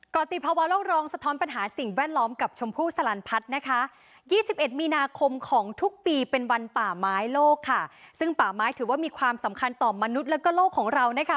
กรติภาวะโลกรองสะท้อนปัญหาสิ่งแวดล้อมกับชมพู่สลันพัฒน์นะคะ๒๑มีนาคมของทุกปีเป็นวันป่าไม้โลกค่ะซึ่งป่าไม้ถือว่ามีความสำคัญต่อมนุษย์แล้วก็โลกของเรานะคะ